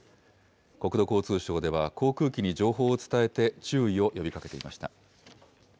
国土交通省では、航空機に情報を伝えて、注意を呼びかけていました。